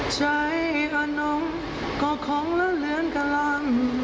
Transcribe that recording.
ใจอ่อนหน่งก่อของแล้วเลือนกะล่ำ